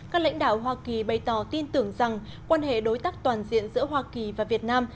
các lãnh đạo hoa kỳ bày tỏ tin tưởng rằng quan hệ đối tác toàn diện giữa hoa kỳ và việt nam